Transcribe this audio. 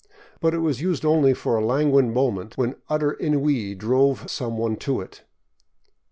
But it was used only for a languid moment, when utter ennui drove some one to it.